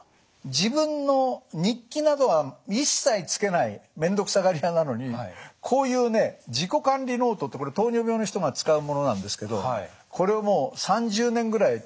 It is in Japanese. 自分の日記などは一切つけない面倒くさがり屋なのにこういうね自己管理ノートってこれ糖尿病の人が使うものなんですけどこれをもう３０年ぐらいつけて。